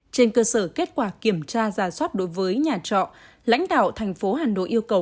trên cơ sở kết quả kiểm tra giả soát đối với nhà trọ lãnh đạo thành phố hà nội yêu cầu